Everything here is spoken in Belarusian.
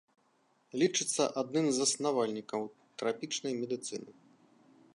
Лічыцца адным з заснавальнікаў трапічнай медыцыны.